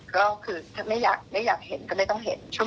ก็คือถ้าไม่อยากเห็นก็ไม่ต้องเห็น